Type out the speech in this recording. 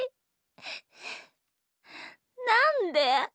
なんで？